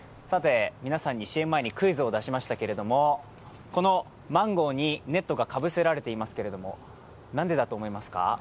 ＣＭ前にクイズを出しましたけれども、マンゴーにネットがかぶせられていますが、なんでだと思いますか？